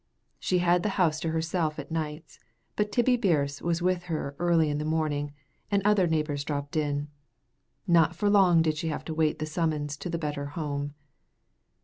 She had the house to herself at nights, but Tibbie Birse was with her early in the morning, and other neighbors dropped in. Not for long did she have to wait the summons to the better home.